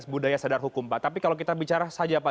budaya sadar hukum pak tapi kalau kita bicara saja pak